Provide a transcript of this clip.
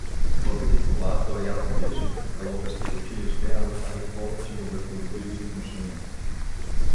Въпреки това той рядко биеше: в калоферското училище аз заварих по-человеколюбиви отношения.